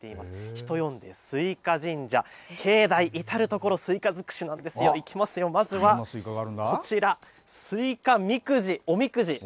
人呼んでスイカ神社、境内、至る所スイカ尽くしなんですよ。いきますよ、まずはこちら、西瓜みくじ、おみくじ。